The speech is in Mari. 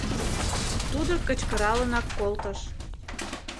– тудо кычкыралынак колтыш.